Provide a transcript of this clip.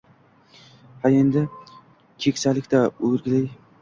Ha, endi keksalik-da, o‘rgilay.